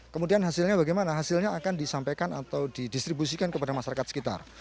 kemudian hasilnya bagaimana hasilnya akan disampaikan atau didistribusikan kepada masyarakat sekitar